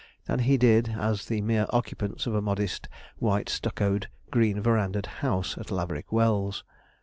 than he did as the mere occupants of a modest, white stuccoed, green verandahed house, at Laverick Wells.